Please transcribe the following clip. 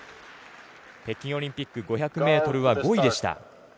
北京オリンピック５００ｍは５位でした。